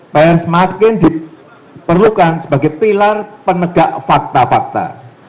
pers makin diperlukan sebagai pilar penegak fakta fakta